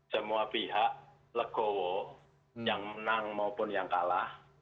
semua pihak legowo yang menang maupun yang kalah